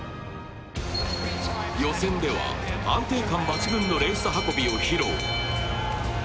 予選では、安定感抜群のレース運びを披露。